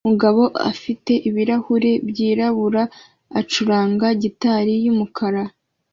Umugabo ufite ibirahuri byirabura acuranga gitari yumukara